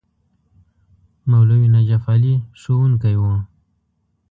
مولوي نجف علي ښوونکی وو.